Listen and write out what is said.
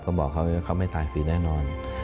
ก็บอกเขาว่าเขาไม่ตายฟรีแน่นอน